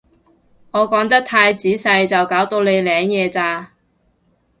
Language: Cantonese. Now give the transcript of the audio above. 我講得太仔細就搞到你領嘢咋